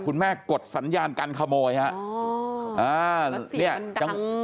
คุณแม่กดสัญญากันขโมยอ๋อแล้วเสียงมันดัง